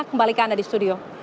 kembalikan di studio